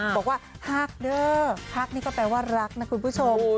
บอกว่าฮักเด้อฮักนี่ก็แปลว่ารักนะคุณผู้ชม